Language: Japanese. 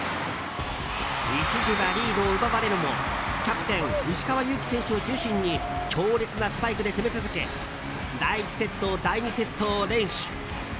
一時はリードを奪われるもキャプテン石川祐希選手を中心に強烈なスパイクで攻め続け第１セット、第２セットを連取。